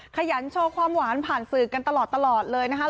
ขยันโชว์ความหวานผ่านสื่อกันตลอดเลยนะคะ